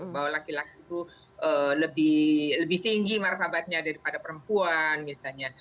bahwa laki laki itu lebih tinggi martabatnya daripada perempuan misalnya